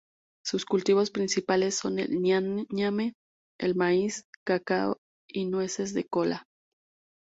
Sus cultivos principales son el ñame, el maíz, cacao y nueces de kola.